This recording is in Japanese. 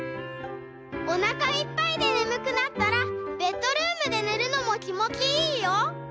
「おなかいっぱいでねむくなったらベッドルームでねるのもきもちいいよ。